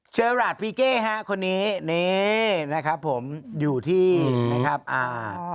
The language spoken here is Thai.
เชิญรถพริกเก่ฮะคนนี้นี่นะครับผมอยู่ที่อืมนะครับอ่าอ๋อ